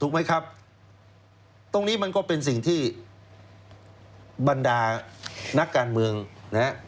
ไหมครับตรงนี้มันก็เป็นสิ่งที่บรรดานักการเมืองนะฮะ